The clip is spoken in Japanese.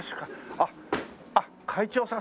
あっ会長さん